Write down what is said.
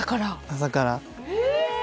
朝からえ！